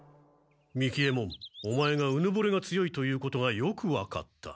三木ヱ門オマエがうぬぼれが強いということがよくわかった。